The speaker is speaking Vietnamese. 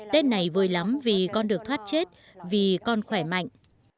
tết này vui lắm vì con được thoát chết vì con khỏe mạnh